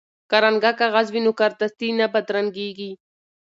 که رنګه کاغذ وي نو کارډستي نه بدرنګیږي.